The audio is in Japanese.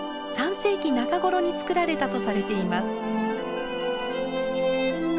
３世紀中頃に造られたとされています。